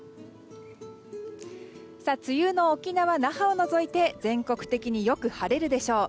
梅雨の沖縄・那覇を除いて全国的によく晴れるでしょう。